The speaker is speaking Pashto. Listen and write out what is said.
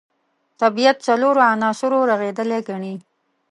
طبیعت څلورو عناصرو رغېدلی ګڼي.